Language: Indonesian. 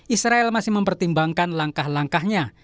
israel masih mempertimbangkan langkah langkahnya